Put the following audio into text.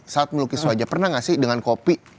saat melukis wajah pernah gak sih dengan kopi